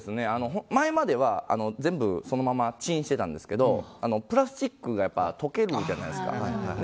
前までは全部そのままチンしていたんですけどプラスチックが溶けるじゃないですか。